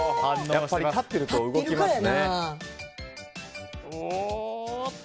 やっぱり立ってると動きますね。